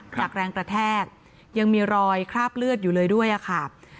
จากแรงกระแทกยังมีรอยคราบเลือดอยู่เลยด้วยค่ะ